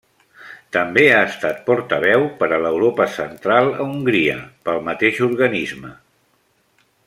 També ha estat portaveu per a l'Europa central a Hongria, pel mateix organisme.